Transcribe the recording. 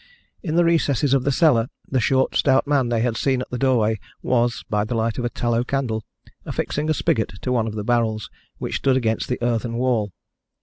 In the recesses of the cellar the short stout man they had seen at the doorway was, by the light of a tallow candle, affixing a spigot to one of the barrels which stood against the earthen wall.